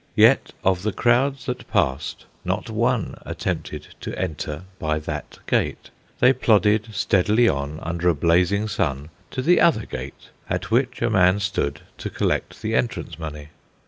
Yet of the crowds that passed, not one attempted to enter by that gate. They plodded steadily on under a blazing sun to the other gate, at which a man stood to collect the entrance money.